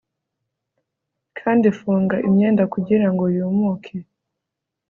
kandi funga imyenda kugirango yumuke